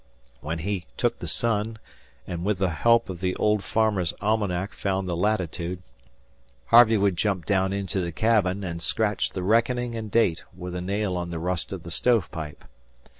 When he took the sun, and with the help of "The Old Farmer's" almanac found the latitude, Harvey would jump down into the cabin and scratch the reckoning and date with a nail on the rust of the stove pipe.